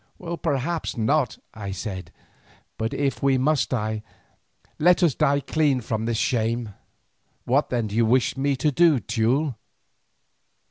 "Perhaps not," I said, "but if we must die, let us die clean from this shame." "What then do you wish me to do, Teule?"